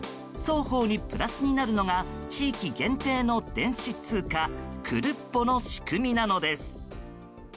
双方にプラスになるのが地域限定の電子通貨・クルッポの仕組みなのです。